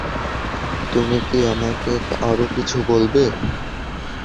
তুমি কি আমাকে আরো কিছু বলবে?